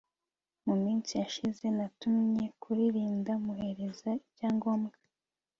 mu minsi yashize natumye kuri Linda muhereza ibyangombwa